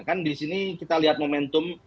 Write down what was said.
kan di sini kita lihat momentum